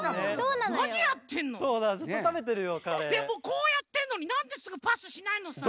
こうやってるのになんですぐパスしないのさ？